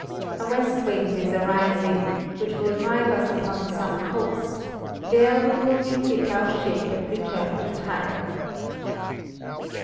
A west wind is arising which will drive us upon some coast; there will we refit our ship and return to Tyre."